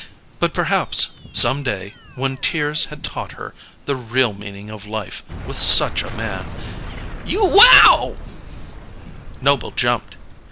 But perhaps, some day, when tears had taught her the real meaning of life with such a man "You wow!" Noble jumped.